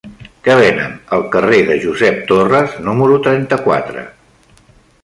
Què venen al carrer de Josep Torres número trenta-quatre?